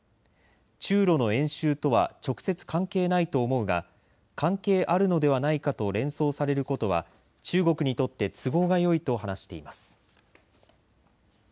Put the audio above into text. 中ロの演習とは直接関係ないと思うが関係あるのではないかと連想されることは中国にとって都合がよいと話しています。